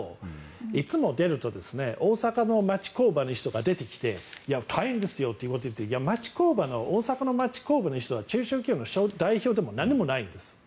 いつも出ると大阪の町工場の人が出てきて大変ですよということを言って大阪の町工場の人は中小企業の代表でもなんでもないんです。